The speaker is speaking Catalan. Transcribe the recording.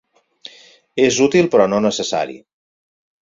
És útil, però no necessari.